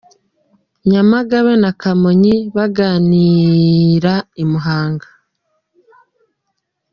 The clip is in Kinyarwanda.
Nyamagabe na Kamonyi bagakinira i Muhanga.